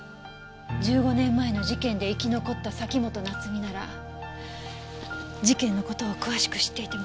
１５年前の事件で生き残った崎本菜津美なら事件の事を詳しく知っていても不思議じゃないでしょ。